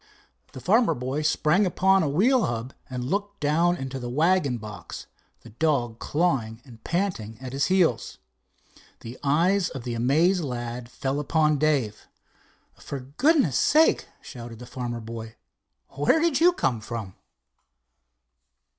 The farmer boy sprang upon a wheel hub and looked down into the wagon box, the dog clawing and panting at his heels. The eyes of the amazed lad fell upon Dave. "For goodness sake!" shouted the farmer boy. "Where did you come from?"